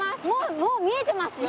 もう見えてますよ！